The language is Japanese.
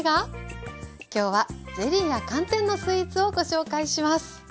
きょうはゼリーや寒天のスイーツをご紹介します。